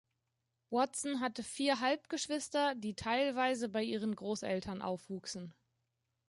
Watson hatte vier Halbgeschwister, die teilweise bei ihren Großeltern aufwuchsen.